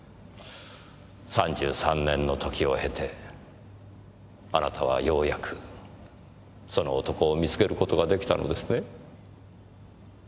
３３年の時を経てあなたはようやくその男を見つける事が出来たのですね。